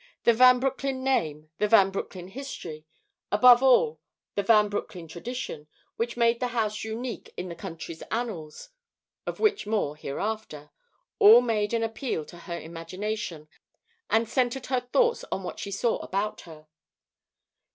The Van Broecklyn name, the Van Broecklyn history, above all the Van Broecklyn tradition, which made the house unique in the country's annals (of which more hereafter), all made an appeal to her imagination, and centred her thoughts on what she saw about her.